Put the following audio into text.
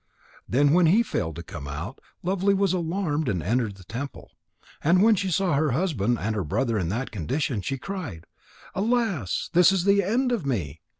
Then when he failed to come out, Lovely was alarmed and entered the temple. And when she saw her husband and her brother in that condition, she cried: "Alas! This is the end of me!"